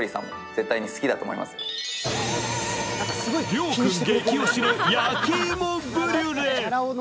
りょうくん激推しの焼き芋ブリュレ。